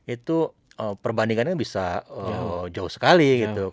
itu perbandingannya bisa jauh sekali gitu